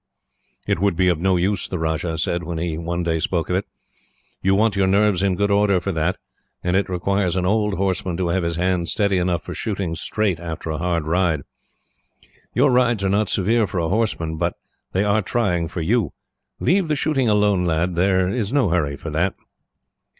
"It would be of no use," the Rajah said, when he one day spoke of it. "You want your nerves in good order for that, and it requires an old horseman to have his hand steady enough for shooting straight, after a hard ride. Your rides are not severe for a horseman, but they are trying for you. Leave the shooting alone, lad. There is no hurry for it."